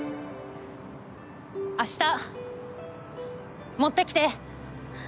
明日持ってきて！